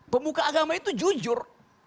pemuka agama itu jujur